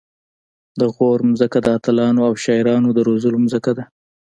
د غور ځمکه د اتلانو او شاعرانو د روزلو ځمکه ده